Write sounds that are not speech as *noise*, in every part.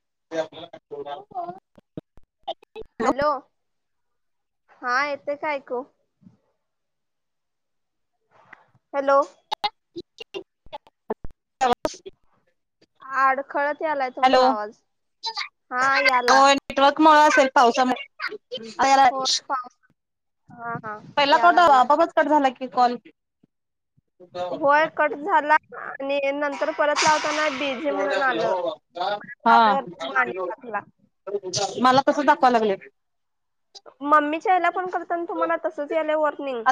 *inaudible* Hello हा येतं का ऐकू. हॅलो. ह *inaudible* अडखळत यालाय तुमचा आवाज हा याला. मळा असेल पावसामुळेला. होय पाऊस हा हा पहिला या क द लागले बापच कट झाला की कॉल. होय कट झाला आणि नंतर परत लाव. हा. टाकला मला कस दाखवा लागले. मम्मी च्यायला पण करतना तुम्हाला तसच याला वॉर्निंग.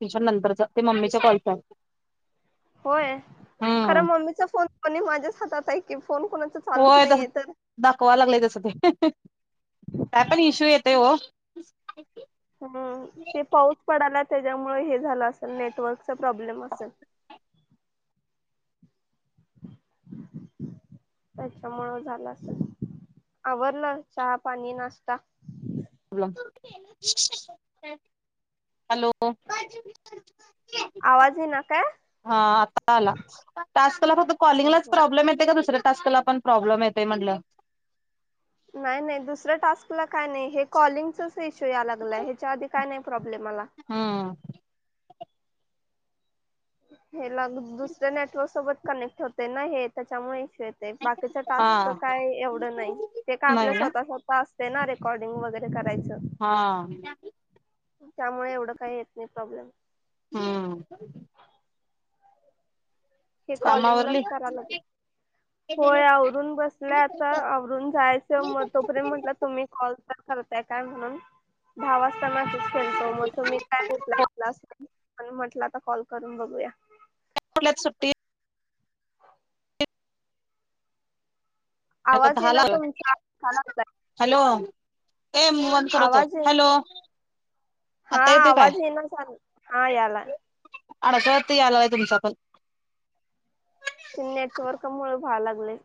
ट्यशन नंतरचा ते मम्मीचा कॉल कर. होय खरं मम्मीचा फोन दोणी माझ्याच हातात आहे. की फोन कोणाच चालूच होय त नाहीये तर दकवा लागलाय तस ते का पण इशू येत. तेव. हम्म ते पाऊस पडाला त्याच्यामुळे हे झालं असेल नेटवर्क. प्रॉब्लेम असल. त्याच्यामुळं झालं अस. आवर ना चहा पाणी नाशता. हॅलो. आवाज इना. हा आता आला आजकाला फक्त हो कॉलिंगलाच हो. प्रॉब्लेम येते का दुसऱ्या टास्क ला पण प्रॉब्लेम येतय म्हटलं. नाही नाही दुसऱ्या टास्कला काय नाही हे कॉलिंगचच इशू या लागलाय ह्याच्या आधी काय नाही. प्रॉब्लेम आला हा. हेग दुसऱ्या नेटवर्क सोबत कनेक्ट होते ना हे त्याच्यामुळे. बाकीच हा टास्क काय एवढं नाही ते का नाही आपल्या ना स्वतः स्व तेना रेकॉर्डंग वगैरे करायच. हा त्यामुळे एवढं काही येत नाही प्रॉब्लेम. हम्. हे कॉलिंग लाच कामावरली करा लागेल. होय आवरून बसला आता आवरून जायचं मग तोपर्यंत म्हटलं तुम्ही कॉल तर कर. काय म्हणून भा वाजतानाकीूच खेळतो मग तुम्ही काय घेतय. आणि म्हटलं आता कॉल करून बघूया. त सुट्टी. आवाज येईना दहाला तुमचा अडका लागलाय. हॅलो ए मव करतो आवाज येईना हॅलो. हा आता येते काय आवाज येना झाल हा याला. अडकत यालाय तुमचा पण. ते नेटवर्क मुळ व्हालागलंय.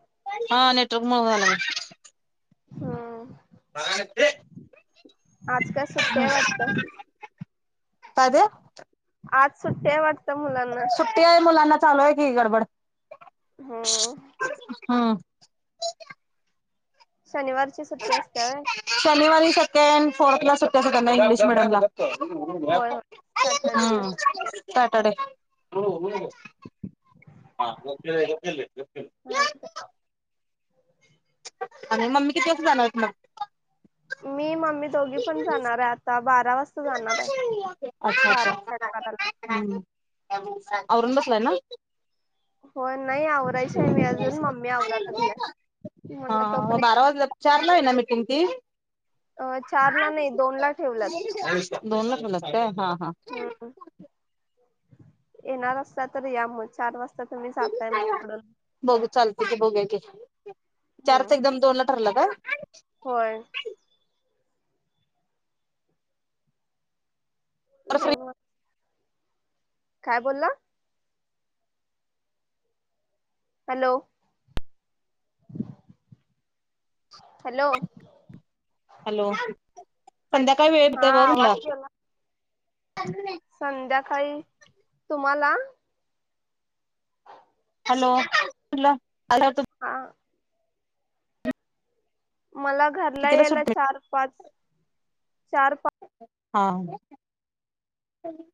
हा नेटवर्क मूळ व्हालागलंय. हा. *unintelligible* आज काल सुट्टी हाय वाटतं? पादे आज सुट्ट्या वाड सुट्टी आहे मुलांना चालू आहे की गडबड. हम्म. हा. शनिवारची सुट्टी असते होय? शनिवारी सेकंड फोर्थला त्यांना इंग्लिश मिडियम ला. होय होय *unintelligible* सॅटर्डे हम् संडे सुट्टी सॅटरडे. *inaudible* असते. *unintelligible* आणि मम्मी किती वाता जाणारेत मग? मी मम्मी दोघी पण जाणार आहे आता बारा वाजता. जाणार आहे. *unintelligible* अच्छा अच्छा बारा साडेबाराला हम्म. औरूण बसलाय ना? हो नाही आवरायची आहे मी अजून मम्मी आवरालागलीय. हा म बारा वाजलात चार ला आहे ना मिटिंग ती. अ चार ना नाही दोन ला ठेवल्यात. दोन ला ठेवल्यात काय हा हा. एनारस्ता तर या मग चार वाजता. तुम्ही जाताय मग तिकडून बघ चालत की बघुया की. चारच हम्म एक दम दोनला ठरलं काय? होय. दोन काय बोलला? हॅलो हॅलो हॅलो संध्याकाळी वेळ हा येतय ब आवाज तुला. गेला संध्याकाळी तुम्हाला? हॅलो *unintelligible* हा. मला घरला कितीला यायला सुट चार पाच चार पाच हां.